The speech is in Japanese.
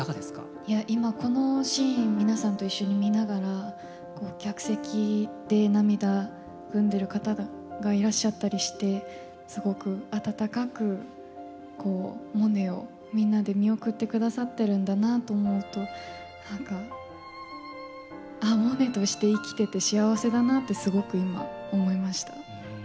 いや今このシーン皆さんと一緒に見ながら客席で涙ぐんでる方がいらっしゃったりしてすごく温かくモネをみんなで見送ってくださってるんだなと思うと何かああモネとして生きてて幸せだなってすごく今思いました。